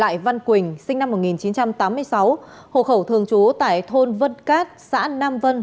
lại văn quỳnh sinh năm một nghìn chín trăm tám mươi sáu hộ khẩu thường trú tại thôn vân cát xã nam vân